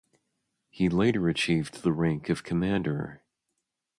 He later achieved the rank of commander.